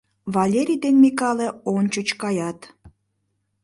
Верий ден Микале ончыч каят.